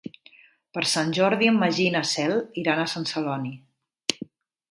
Per Sant Jordi en Magí i na Cel iran a Sant Celoni.